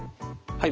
はい。